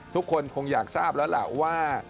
ทุกคนคงอยากทราบแล้วล่ะว่า